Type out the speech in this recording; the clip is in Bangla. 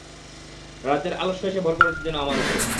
রাজ্যের আলস্য এসে ভর করেছে যেন আমার উপরে।